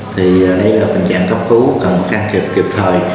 thì đây là tình trạng cấp cứu cần căng kịp kịp thời